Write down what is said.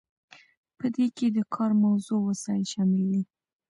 په دې کې د کار موضوع او وسایل شامل دي.